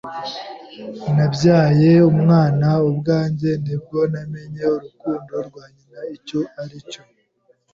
Nabyaye umwana ubwanjye nibwo namenye urukundo rwa nyina icyo aricyo.